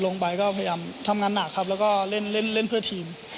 ลงไปก็พยายามทำงานหนักครับแล้วก็เล่นเล่นเพื่อทีม